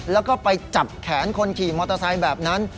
แล้วก็ไปจับแขนคนขี่มอเตอร์ไซค์แบบนั้น